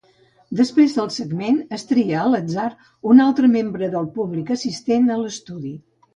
Després del segment es tria a l'atzar un altre membre del públic assistent a l'estudi.